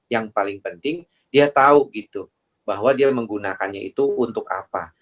yang paling penting dia tahu gitu bahwa dia menggunakannya itu untuk apa